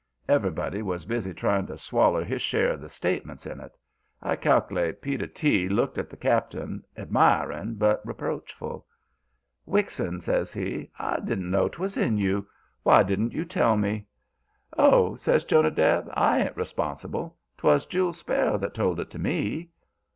Everybody was busy trying to swaller his share of the statements in it, I cal'late. Peter T. looked at the Cap'n, admiring but reproachful. "Wixon," says he. "I didn't know 'twas in you. Why didn't you tell me?" "Oh," says Jonadab, "I ain't responsible. 'Twas Jule Sparrow that told it to me."